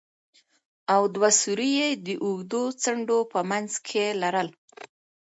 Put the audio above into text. او دوه سوري يې د اوږدو څنډو په منځ کښې لرل.